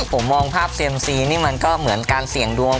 ผมมองภาพเซ็มซีนี่มันก็เหมือนการเสี่ยงดวง